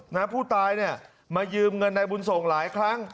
ผู้ตายเนี่ยมายืมเงินนายบุญส่งหลายครั้ง